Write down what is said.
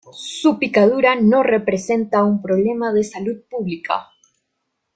Su picadura no representa un problema de salud pública.